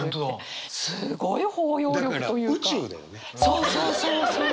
そうそうそうそう！